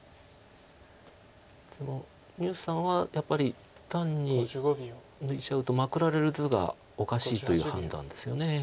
牛さんはやっぱり単に抜いちゃうとマクられる図がおかしいという判断ですよね。